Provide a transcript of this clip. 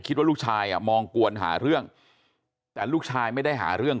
คิดว่าลูกชายอ่ะมองกวนหาเรื่องแต่ลูกชายไม่ได้หาเรื่อง